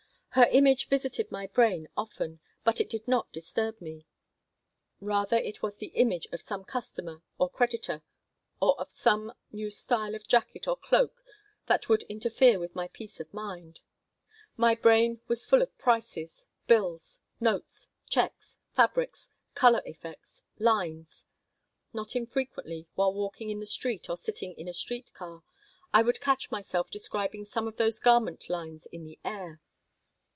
Her image visited my brain often, but it did not disturb me. Rather, it was the image of some customer or creditor or of some new style of jacket or cloak that would interfere with my peace of mind. My brain was full of prices, bills, notes, checks, fabrics, color effects, "lines." Not infrequently, while walking in the street or sitting in a street car, I would catch myself describing some of those garment lines in the air.